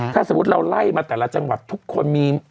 ถ้าสมมุติเราไล่มาแต่ละจังหวัดทุกคนมี